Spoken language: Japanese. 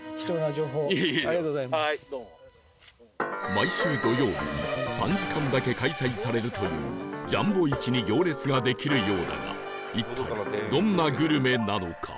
来週土曜に３時間だけ開催されるというジャンボ市に行列ができるようだが一体どんなグルメなのか？